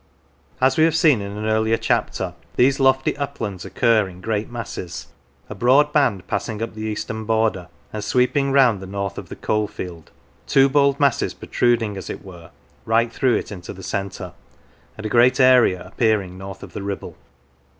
As we have seen in an earlier chapter, these lofty uplands occur in great masses a broad band passing up the eastern border, and sweeping round the north of the coalfield; two bold masses protruding, as it were, right through it in the centre; and a great area appearing north of the Kibble.